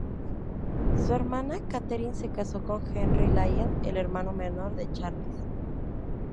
Su hermana Katherine se casó con Henry Lyell, el hermano menor de Charles.